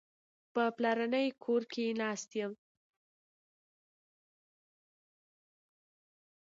په پلرني کور کې ناست یم.